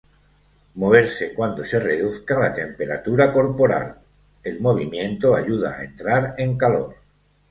Moverse cuando se reduzca la temperatura corporal: el movimiento ayuda a entrar en calor.